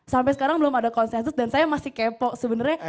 sampai sekarang belum ada konsensus dan saya masih kepo sebenarnya